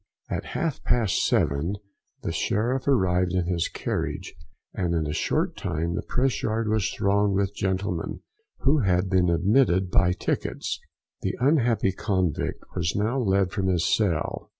At half past seven the sheriff arrived in his carriage, and in a short time the press yard was thronged with gentlemen who had been admitted by tickets. The unhappy convict was now led from his cell.